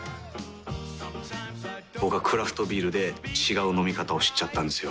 僕はクラフトビールで違う飲み方を知っちゃったんですよ。